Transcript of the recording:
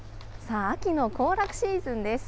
秋の行楽シーズンです。